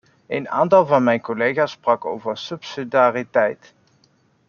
Een aantal van mijn collega's sprak over subsidiariteit.